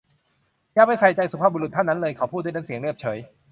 อย่าไปใส่ใจสุภาพบุรุษท่านนั้นเลย เขาพูดด้วยน้ำเสียงเรียบเฉย